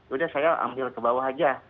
udah saya ambil ke bawah aja